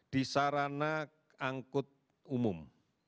di sarana angkut umum